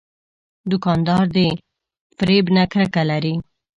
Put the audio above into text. دوکاندار د فریب نه کرکه لري.